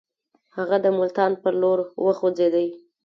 هغه د ملتان پر لور وخوځېدی.